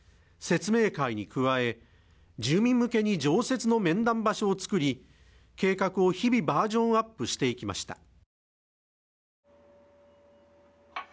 説明会に加え、住民向けに常設の面談場所を作り、計画を日々バージョンアップしていきました。